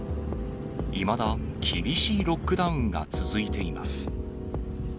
いまだ厳しいロックダウンが続いています。